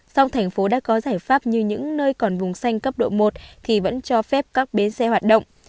song thành phố đã có giải pháp như những nơi còn vùng xanh cấp độ một thì vẫn cho phép các bến xe hoạt động